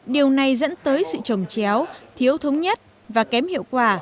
điều này dẫn tới sự trồng chéo thiếu thống nhất và kém hiệu quả